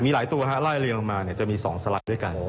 มีหลายตัวไล่เรียงลงมาจะมี๒สไลด์ด้วยกัน